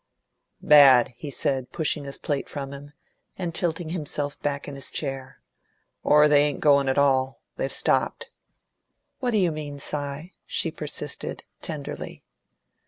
"Bad," he said, pushing his plate from him, and tilting himself back in his chair. "Or they ain't going at all. They've stopped." "What do you mean, Si?" she persisted, tenderly.